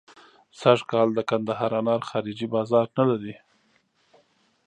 سږکال د کندهار انار خارجي بازار نه لري.